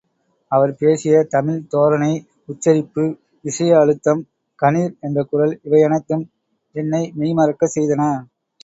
அவர் பேசிய தமிழ் தோரணை உச்சரிப்பு விஷய அழுத்தம் கணீர் என்ற குரல் இவையனைத்தும் என்னை மெய்மறக்கச்செய்தன.